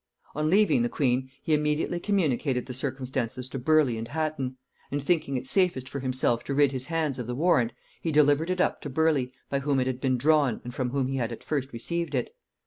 On leaving the queen, he immediately communicated the circumstances to Burleigh and Hatton; and thinking it safest for himself to rid his hands of the warrant, he delivered it up to Burleigh, by whom it had been drawn and from whom he had at first received it.